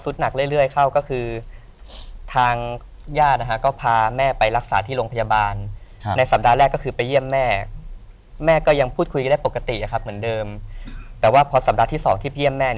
แต่ว่าพอสัปดาห์ที่๒ที่เยี่ยมแม่เนี่ย